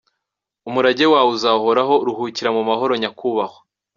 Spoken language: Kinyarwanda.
Umurage wawe uzahoraho, ruhukira mu mahoro nyakubahwa.